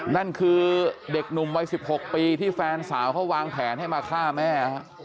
นั่นคือเด็กหนุ่มวัย๑๖ปีที่แฟนสาวเขาวางแผนให้มาฆ่าแม่